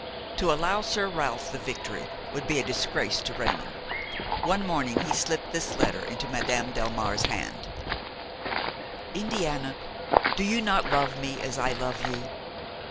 To allow Sir Ralph the victory would be a disgrace to Raymon. One morning he slipped this letter into Madame Delmare's hand: "Indiana! do you not love me as I love you?